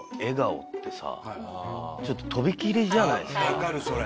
分かるそれ。